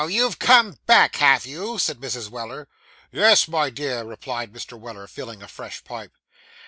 'Oh, you've come back, have you!' said Mrs. Weller. 'Yes, my dear,' replied Mr. Weller, filling a fresh pipe.